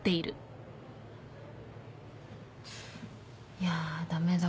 いや駄目だ。